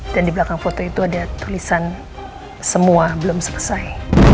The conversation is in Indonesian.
dan di belakang foto itu ada tulisan semua belum selesai